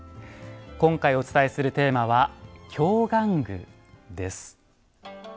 今回お伝えするテーマは「京玩具」です。